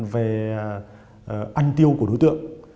về ăn tiêu của đối tượng